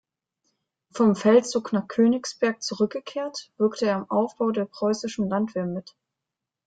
Vom Feldzug nach Königsberg zurückgekehrt, wirkte er am Aufbau der Preußischen Landwehr mit.